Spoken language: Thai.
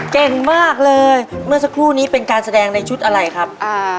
เก่งมากเลยเมื่อสักครู่นี้เป็นการแสดงในชุดอะไรครับ